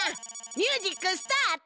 ミュージックスタート！